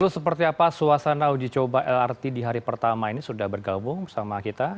seperti apa suasana uji coba lrt di hari pertama ini sudah bergabung bersama kita